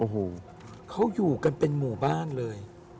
โอ้โหเขาอยู่กันเป็นหมู่บ้านเลย